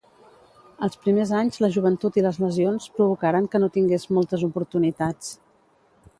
Els primers anys la joventut i les lesions provocaren que no tingués moltes oportunitats.